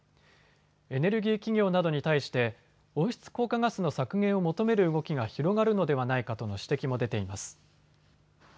エネルギー企業などに対して温室効果ガスの削減を求める動きが広がるのではないかとの指摘も出ています。